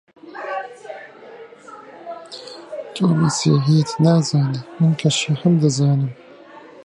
تۆ مەسیحیت نازانی، من کە شیعەم دەزانم: